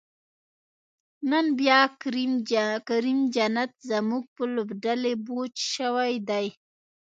نن بیا کریم جنت زمونږ په لوبډلی بوج شوی دی